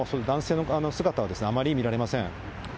男性の姿はあまり見られません。